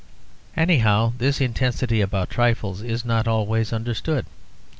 Anyhow, this intensity about trifles is not always understood.